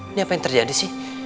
ini apa yang terjadi sih